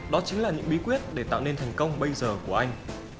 đó chính là những bí quyết để tạo nên thành công bây giờ của anh